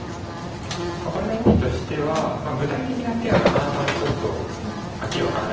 これの意味としては具体的な手はなかなかちょっとはっきり分からないんですが。